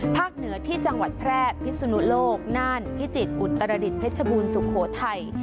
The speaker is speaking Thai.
เหนือที่จังหวัดแพร่พิศนุโลกน่านพิจิตรอุตรดิษฐเพชรบูรณสุโขทัย